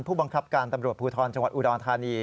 ผู้บังคับการตำรวจภูทรจังหวัดอุดรธานี